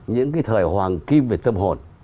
những cái thời hoàng kim về tâm hồn